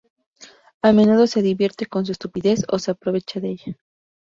A menudo se divierte con su estupidez, o se aprovecha de ella.